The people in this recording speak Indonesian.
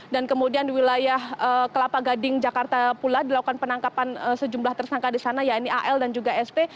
dan kemudian di wilayah kelapa gading jakarta pula dilakukan penangkapan sejumlah tersangka di sana ya ini al dan juga sp